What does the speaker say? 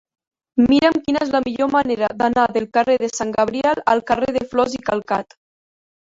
Mira'm quina és la millor manera d'anar del carrer de Sant Gabriel al carrer de Flos i Calcat.